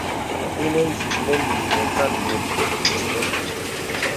Inə nzūk mə nīŋ nə kān bòt dīnə.